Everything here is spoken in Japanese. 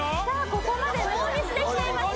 ここまでノーミスできていますよ